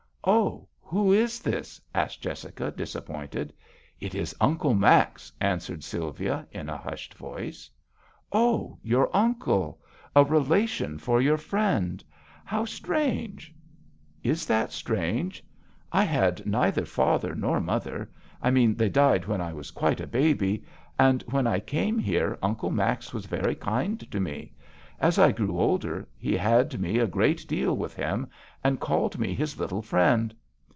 " Oh ! who is this ?" asked Jessica, disappointed. " It is Uncle Max," answered Sylvia, in a hushed voice. " Oh, your uncle ! A relation for your friend ; how strange !"" Is that strange ? I had neither father nor mother — I mean they died when I was quite a baby — and when I came here Uncle Max was very kind to me. As I grew older he had me a great deal with him, and called me his little friend.